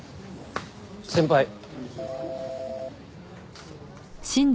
先輩。